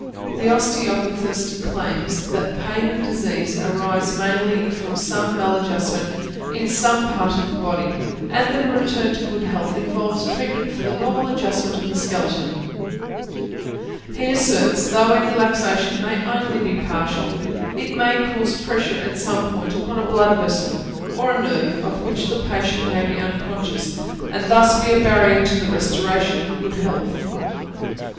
The osteopathist claims that pain and disease arise mainly from some mal adjustment in some part of the body, and that a return to good health involves treatment for the normal adjustment of the skeleton; he asserts, though any luxation may be only partial, it may cause pressure at some point upon a blood vessel, or a nerve of which the patient may be unconscious, and thus be a barrier to the restoration of good health.